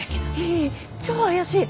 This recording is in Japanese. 超怪しい！